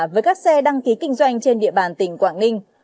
với các xe đăng ký kinh doanh trên địa bàn tỉnh quảng ninh